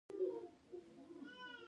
د انګورو چیله کول حاصل ډیروي